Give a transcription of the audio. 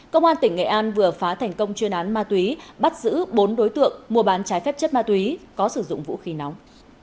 công an tỉnh nghệ an vừa phá thành công chuyên án ma túy bắt giữ bốn đối tượng mua bán trái phép chất ma túy có sử dụng vũ khí nóng